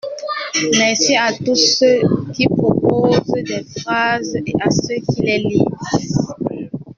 Merci à tous ceux qui proposent des phrases et à ceux qui les lisent!